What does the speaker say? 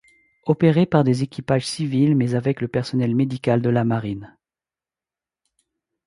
Opéré par des équipages civils mais avec le personnel médical de la marine.